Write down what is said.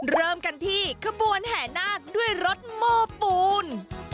เริ่มกันที่ขบวนแห่นาคด้วยรถโม้ปูน